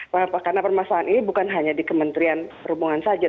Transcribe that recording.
karena permasalahan ini bukan hanya di kementerian perhubungan saja